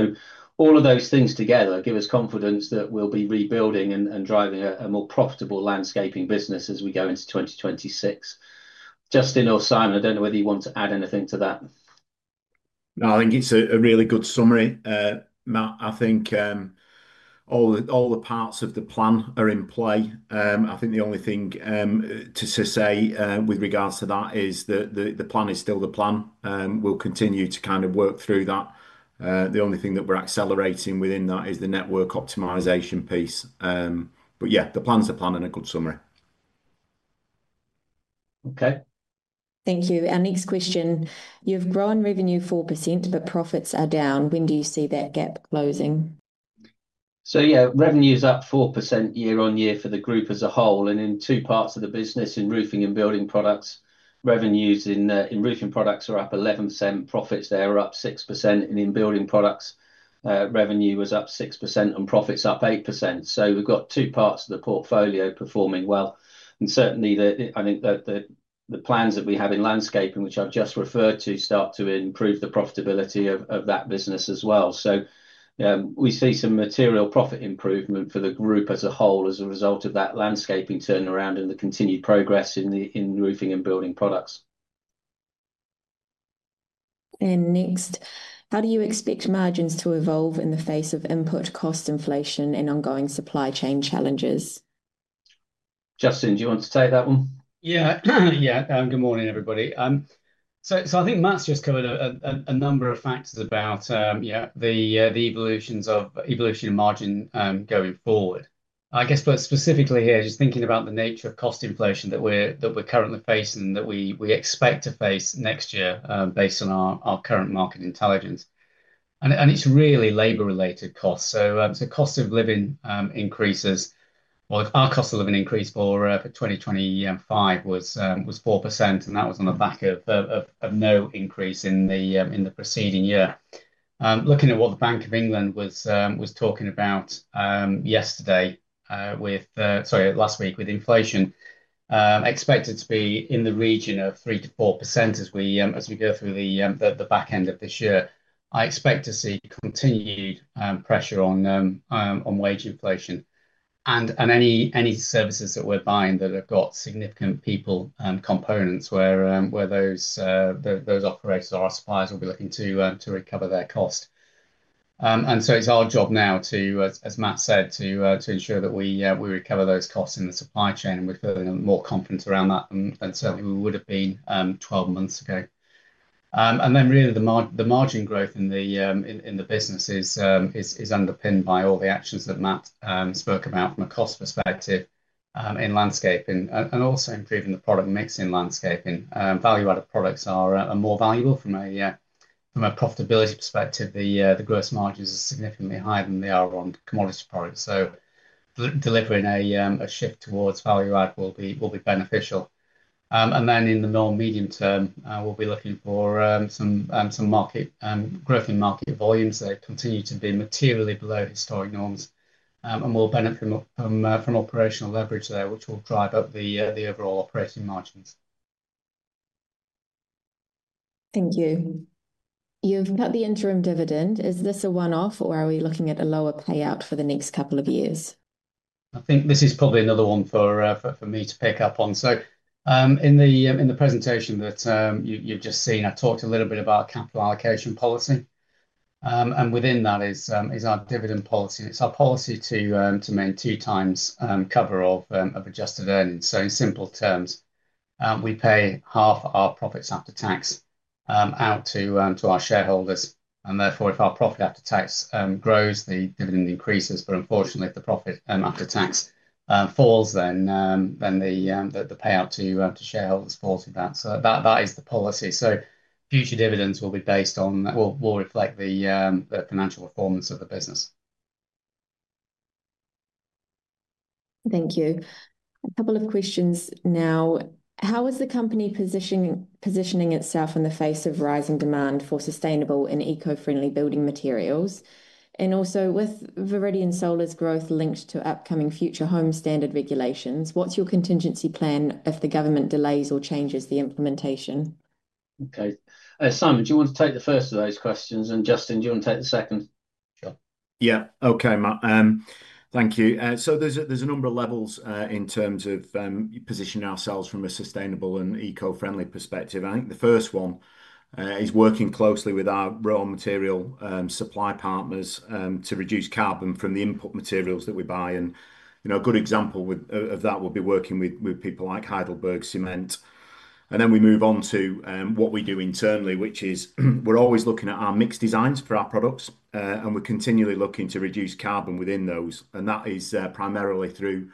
All of those things together give us confidence that we'll be rebuilding and driving a more profitable landscaping products business as we go into 2026. Justin or Simon, I don't know whether you want to add anything to that. No, I think it's a really good summary. I think all the parts of the plan are in play. The only thing to say with regards to that is that the plan is still the plan. We'll continue to kind of work through that. The only thing that we're accelerating within that is the network optimization piece. The plan's a plan and a good summary. Okay. Thank you. Our next question. You've grown revenue 4%, but profits are down. When do you see that gap closing? Yeah, revenue is up 4% year-on-year for the group as a whole. In two parts of the business, in roofing and building products, revenues in roofing products are up 11%. Profits there are up 6%. In building products, revenue was up 6% and profits up 8%. We've got two parts of the portfolio performing well. I think that the plans that we have in landscaping, which I've just referred to, start to improve the profitability of that business as well. We see some material profit improvement for the group as a whole as a result of that landscaping turnaround and the continued progress in roofing and building products. How do you expect margins to evolve in the face of input cost inflation and ongoing supply chain challenges? Justin, do you want to take that one? Yeah, yeah. Good morning, everybody. I think Matt's just covered a number of factors about the evolution of margin going forward. I guess for us specifically here, just thinking about the nature of cost inflation that we're currently facing and that we expect to face next year based on our current market intelligence. It's really labor-related costs. Cost of living increases. Our cost of living increase for 2025 was 4%, and that was on the back of no increase in the preceding year. Looking at what the Bank of England was talking about last week with inflation, expected to be in the region of 3%-4% as we go through the back end of this year. I expect to see continued pressure on wage inflation and any services that we're buying that have got significant people components where those operators or our suppliers will be looking to recover their cost. It's our job now to, as Matt said, to ensure that we recover those costs in the supply chain and we're building more confidence around that than certainly we would have been 12 months ago. The margin growth in the business is underpinned by all the actions that Matt spoke about from a cost perspective in landscaping and also improving the product mix in landscaping. Value-add products are more valuable from a profitability perspective. The gross margins are significantly higher than they are on commodity products. Delivering a shift towards value-add will be beneficial. In the non-medium term, we'll be looking for some market growth in market volumes that continue to be materially below historic norms and will benefit from operational leverage there, which will drive up the overall operating margins. Thank you. You've got the interim dividend. Is this a one-off, or are we looking at a lower payout for the next couple of years? I think this is probably another one for me to pick up on. In the presentation that you've just seen, I've talked a little bit about capital allocation policy. Within that is our dividend policy. It's our policy to amend 2x cover of adjusted earnings. In simple terms, we pay half our profits after tax out to our shareholders. Therefore, if our profit after tax grows, the dividend increases. Unfortunately, if the profit after tax falls, the payout to shareholders falls with that. That is the policy. Future dividends will be based on, will reflect the financial performance of the business. Thank you. A couple of questions now. How is the company positioning itself in the face of rising demand for sustainable and eco-friendly building materials? Also, with Viridian Solar's growth linked to upcoming Future Home Standard regulations, what's your contingency plan if the government delays or changes the implementation? Okay. Simon, do you want to take the first of those questions? Justin, do you want to take the second? Yeah. Okay, Matt. Thank you. There's a number of levels in terms of positioning ourselves from a sustainable and eco-friendly perspective. I think the first one is working closely with our raw material supply partners to reduce carbon from the input materials that we buy. A good example of that would be working with people like Heidelberg Cement. We move on to what we do internally, which is we're always looking at our mix designs for our products, and we're continually looking to reduce carbon within those. That is primarily through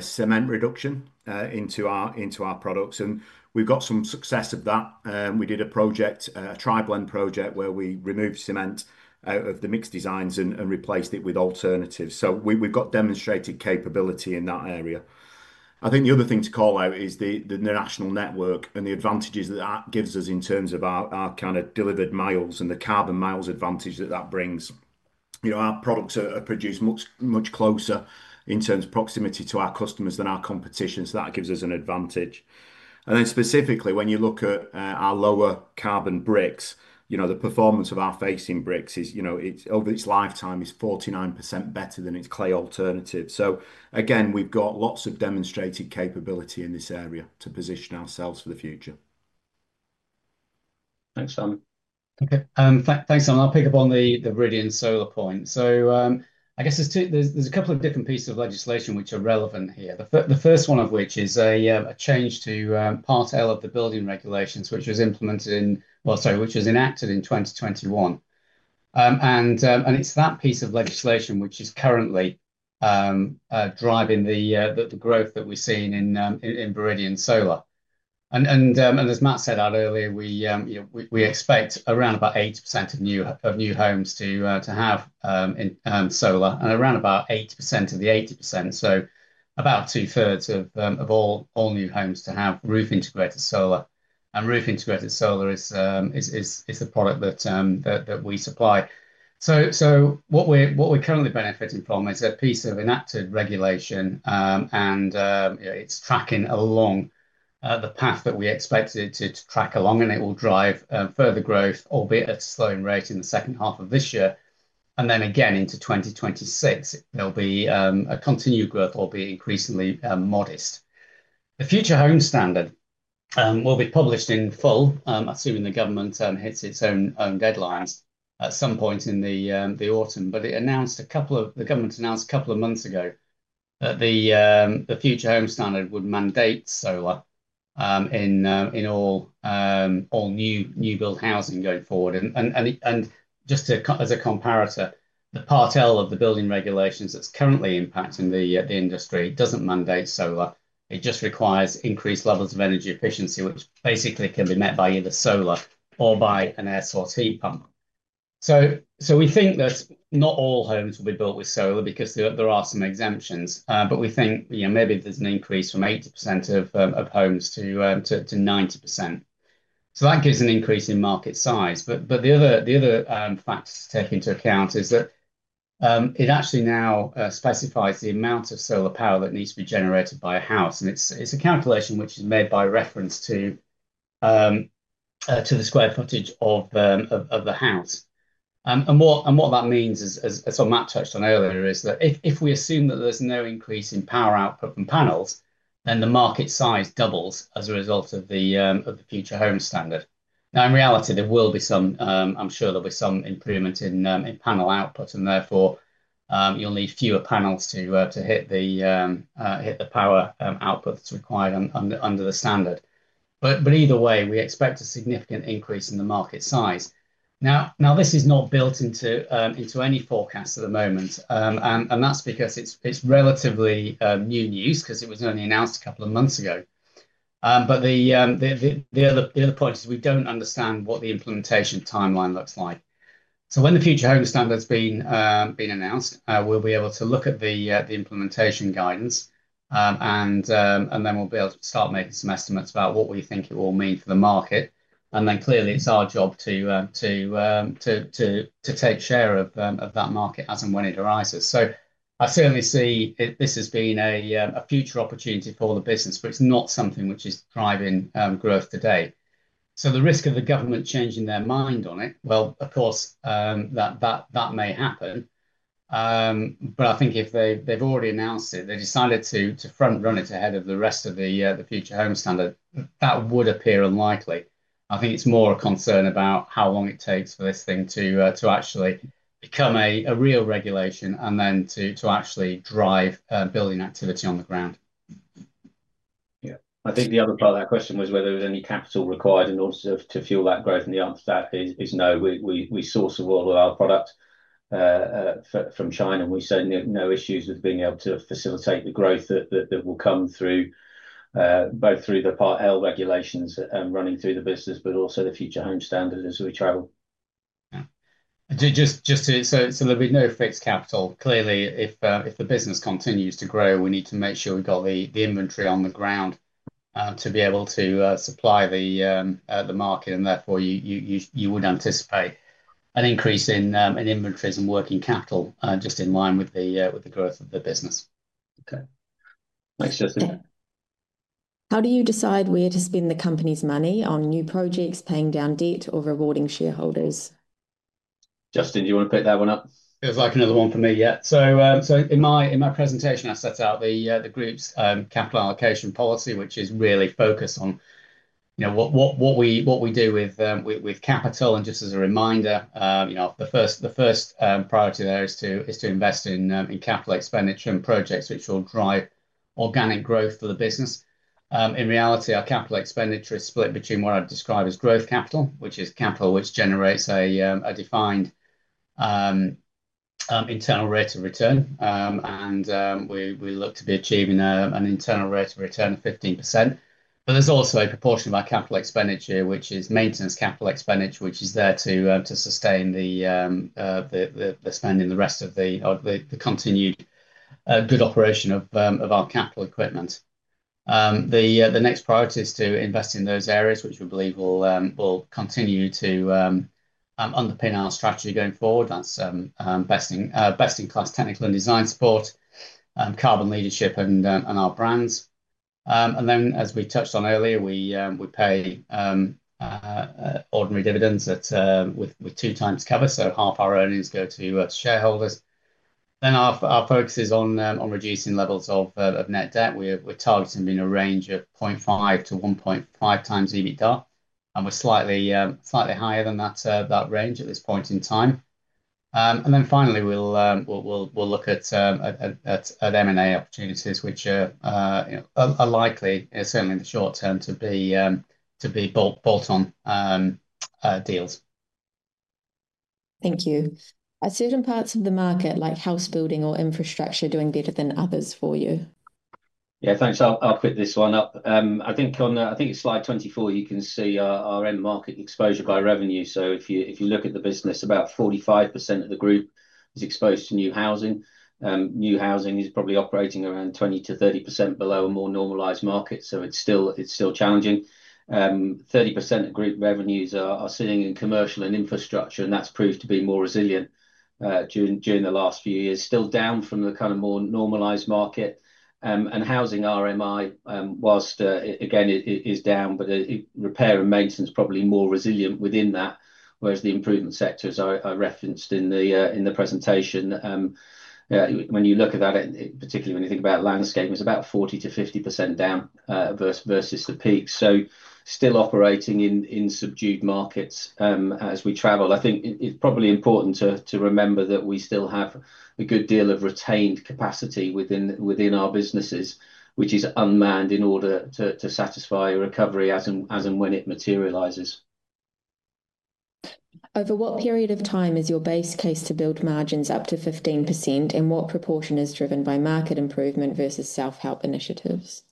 cement reduction into our products. We've got some success with that. We did a project, a tri-blend project, where we removed cement out of the mix designs and replaced it with alternatives. We've got demonstrated capability in that area. I think the other thing to call out is the national network and the advantages that gives us in terms of our delivered miles and the carbon miles advantage that brings. Our products are produced much closer in terms of proximity to our customers than our competition. That gives us an advantage. Specifically, when you look at our lower carbon bricks, the performance of our facing bricks is, over its lifetime, it's 49% better than its clay alternative. We've got lots of demonstrated capability in this area to position ourselves for the future. Thanks, Simon. Okay. Thanks, Simon. I'll pick up on the Viridian Solar point. I guess there's a couple of different pieces of legislation which are relevant here. The first one of which is a change to Part L of the building regulations, which was enacted in 2021. It's that piece of legislation which is currently driving the growth that we're seeing in Viridian Solar. As Matt said out earlier, we expect around 80% of new homes to have solar and around 80% of the 80%, so about 2/3 of all new homes, to have roof integrated solar. Roof integrated solar is a product that we supply. What we're currently benefiting from is a piece of enacted regulation, and it's tracking along the path that we expect it to track along, and it will drive further growth, albeit at a slowing rate in the second half of this year. Again, into 2026, there'll be continued growth, albeit increasingly modest. The Future Home Standard will be published in full, assuming the government hits its own deadlines at some point in the autumn. The government announced a couple of months ago that the Future Home Standard would mandate solar in all new build housing going forward. Just as a comparator, the Part L of the building regulations that's currently impacting the industry doesn't mandate solar. It just requires increased levels of energy efficiency, which basically can be met by either solar or by an air source heat pump. We think that not all homes will be built with solar because there are some exemptions, but we think maybe there's an increase from 80% of homes to 90%. That gives an increase in market size. The other factor to take into account is that it actually now specifies the amount of solar power that needs to be generated by a house. It's a calculation which is made by reference to the square footage of the house. What that means, as Matt touched on earlier, is that if we assume that there's no increase in power output from panels, then the market size doubles as a result of the Future Home Standard. In reality, there will be some, I'm sure there'll be some improvement in panel output, and therefore you'll need fewer panels to hit the power output that's required under the standard. Either way, we expect a significant increase in the market size. Now, this is not built into any forecast at the moment, and that's because it's relatively new news because it was only announced a couple of months ago. The other point is we don't understand what the implementation timeline looks like. When the Future Home Standard's been announced, we'll be able to look at the implementation guidance, and then we'll be able to start making some estimates about what we think it will mean for the market. Clearly, it's our job to take share of that market as and when it arises. I certainly see this as being a future opportunity for the business, but it's not something which is driving growth today. The risk of the government changing their mind on it, of course, that may happen. I think if they've already announced it, they've decided to front-run it ahead of the rest of the Future Home Standard, that would appear unlikely. I think it's more a concern about how long it takes for this thing to actually become a real regulation and then to actually drive building activity on the ground. Yeah, I think the other part of that question was whether there's any capital required in order to fuel that growth, and the answer to that is no. We source a lot of our product from China, and we certainly have no issues with being able to facilitate the growth that will come through both through the Part L building regulations running through the business, but also the Future Home Standard as we travel. Yeah, just to, there'll be no fixed capital. Clearly, if the business continues to grow, we need to make sure we've got the inventory on the ground to be able to supply the market, and therefore you would anticipate an increase in inventories and working capital just in line with the growth of the business. Okay, thanks, Justin. How do you decide where to spend the company's money on new projects, paying down debt, or rewarding shareholders? Justin, do you want to pick that one up? In my presentation, I set out the group's capital allocation policy, which is really focused on what we do with capital. Just as a reminder, the first priority there is to invest in capital expenditure and projects which will drive organic growth for the business. In reality, our capital expenditure is split between what I'd describe as growth capital, which is capital which generates a defined internal rate of return, and we look to be achieving an internal rate of return of 15%. There's also a proportion of our capital expenditure, which is maintenance capital expenditure, which is there to sustain the spend in the rest of the continued good operation of our capital equipment. The next priority is to invest in those areas which we believe will continue to underpin our strategy going forward. That's best-in-class technical and design support, carbon leadership, and our brands. As we touched on earlier, we pay ordinary dividends with 2x cover, so half our earnings go to shareholders. Our focus is on reducing levels of net debt. We're targeting a range of 0.5x-1.5x EBITDA, and we're slightly higher than that range at this point in time. Finally, we'll look at M&A opportunities, which are likely, certainly in the short term, to be bought on deals. Thank you. Are certain parts of the market, like house building or infrastructure, doing better than others for you? Yeah, thanks. I'll pick this one up. I think it's on, I think it's slide 24, you can see our market exposure by revenue. If you look at the business, about 45% of the group is exposed to new housing. New housing is probably operating around 20%-30% below a more normalized market, so it's still challenging. 30% of group revenues are sitting in commercial and infrastructure, and that's proved to be more resilient during the last few years, still down from the kind of more normalized market. Housing RMI, whilst again it is down, but repair and maintenance is probably more resilient within that, whereas the improvement sectors I referenced in the presentation. When you look at that, particularly when you think about landscaping, it's about 40%-50% down versus the peak. Still operating in subdued markets as we travel. I think it's probably important to remember that we still have a good deal of retained capacity within our businesses, which is unmanned in order to satisfy recovery as and when it materializes. Over what period of time is your base case to build margins up to 15%, and what proportion is driven by market improvement versus self-help initiatives?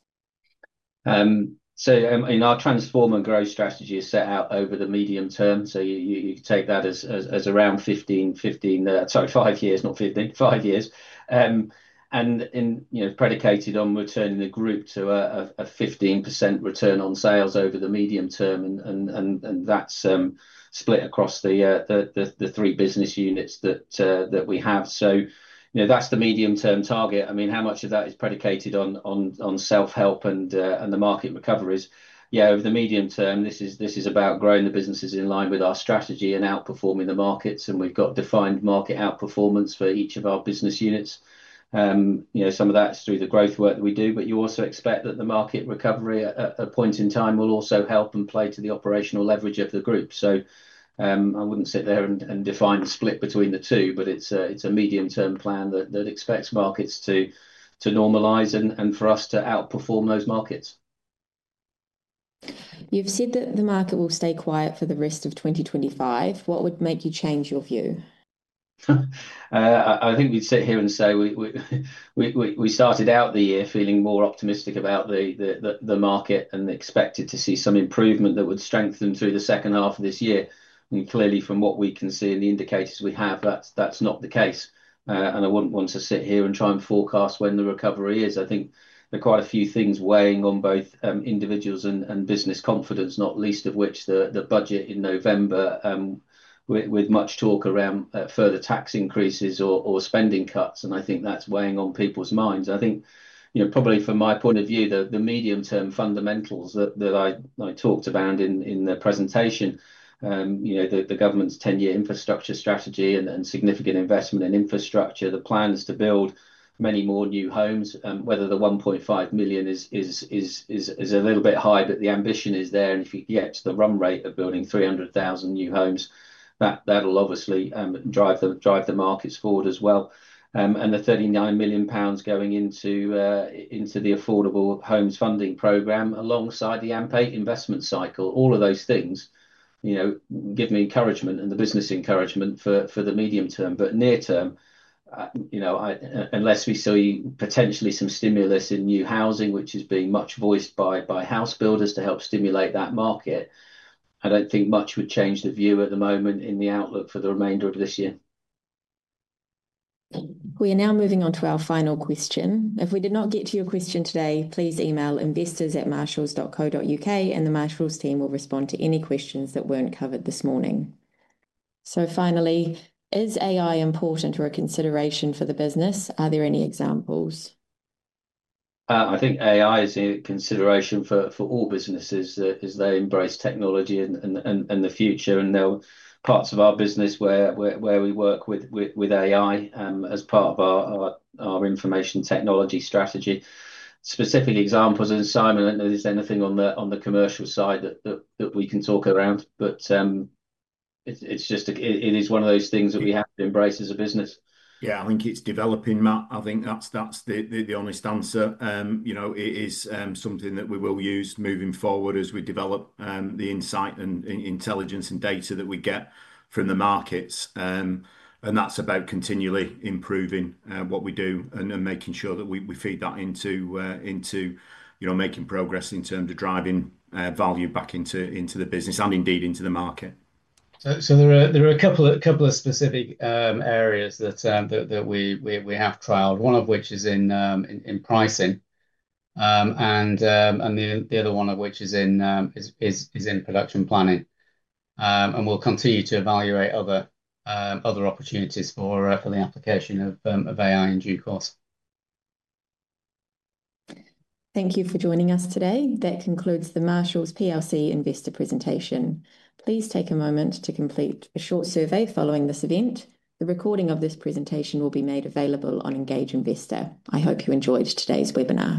In our transform and growth strategy, it is set out over the medium term, so you could take that as around five years, not fifteen, five years. It is predicated on returning the group to a 15% return on sales over the medium term, and that's split across the three business units that we have. That's the medium-term target. I mean, how much of that is predicated on self-help and the market recovery? Over the medium term, this is about growing the businesses in line with our strategy and outperforming the markets, and we've got defined market outperformance for each of our business units. Some of that is through the growth work that we do, but you also expect that the market recovery at a point in time will also help and play to the operational leverage of the group. I wouldn't sit there and define the split between the two, but it's a medium-term plan that expects markets to normalize and for us to outperform those markets. You've said that the market will stay quiet for the rest of 2025. What would make you change your view? I think we'd sit here and say we started out the year feeling more optimistic about the market and expected to see some improvement that would strengthen through the second half of this year. Clearly, from what we can see and the indicators we have, that's not the case. I wouldn't want to sit here and try and forecast when the recovery is. I think there are quite a few things weighing on both individuals and business confidence, not least of which the budget in November, with much talk around further tax increases or spending cuts, and I think that's weighing on people's minds. Probably from my point of view, the medium-term fundamentals that I talked about in the presentation, the government's 10-year infrastructure strategy and significant investment in infrastructure, the plans to build many more new homes, whether the 1.5 million is a little bit high, but the ambition is there. If you can get to the run rate of building 300,000 new homes, that'll obviously drive the markets forward as well. The 39 million pounds going into the Affordable Homes Funding Programme, alongside the AMP8 investment cycle, all of those things give me encouragement and the business encouragement for the medium term. Near term, unless we see potentially some stimulus in new housing, which is being much voiced by house builders to help stimulate that market, I don't think much would change the view at the moment in the outlook for the remainder of this year. We are now moving on to our final question. If we did not get to your question today, please email investors@marshalls.co.uk and the Marshalls team will respond to any questions that weren't covered this morning. Finally, is AI important or a consideration for the business? Are there any examples? I think AI is a consideration for all businesses as they embrace technology and the future. There are parts of our business where we work with AI as part of our information technology strategy. Specific examples, and Simon, I don't know if there's anything on the commercial side that we can talk around, but it is one of those things that we have to embrace as a business. Yeah, I think it's developing, Matt. I think that's the honest answer. It is something that we will use moving forward as we develop the insight and intelligence and data that we get from the markets. That's about continually improving what we do and making sure that we feed that into making progress in terms of driving value back into the business and indeed into the market. There are a couple of specific areas that we have trialed, one of which is in pricing and the other one of which is in production planning. We'll continue to evaluate other opportunities for the application of AI in due course. Thank you for joining us today. That concludes the Marshalls plc Investor presentation. Please take a moment to complete a short survey following this event. The recording of this presentation will be made available on Engage Investor. I hope you enjoyed today's webinar.